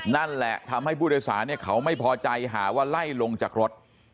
นั่นแหละทำให้ผู้โดยสารเขาไม่พอใจหาว่าไล่ลงจากรถ